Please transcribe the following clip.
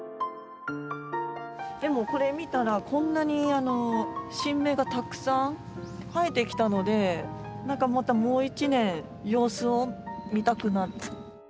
でもこれ見たらこんなに新芽がたくさん生えてきたので何かまたもう一年様子を見たくなった。